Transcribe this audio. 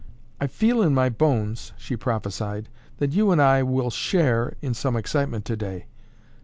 "I feel in my bones," she prophesied, "that you and I will share in some excitement today.